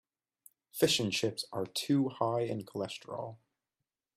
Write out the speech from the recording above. Fish and chips are too high in cholesterol.